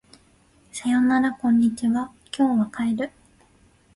さよならこんにちは今日帰る